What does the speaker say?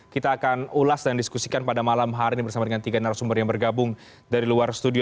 kita akan ulas dan diskusikan pada malam hari ini bersama dengan tiga narasumber yang bergabung dari luar studio